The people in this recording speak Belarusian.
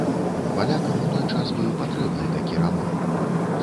Палякам у той час быў патрэбны такі раман.